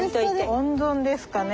温存ですかね。